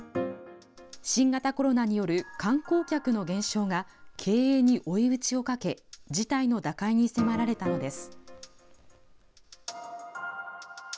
新型コロナによる観光客の減少が、経営に追い打ちをかけ、事態の打開に迫られたのです。